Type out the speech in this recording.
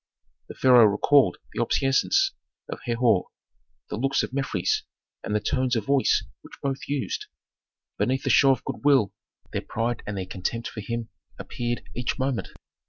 The pharaoh recalled the obeisances of Herhor, the looks of Mefres, and the tones of voice which both used. Beneath the show of good will, their pride and their contempt for him appeared each moment.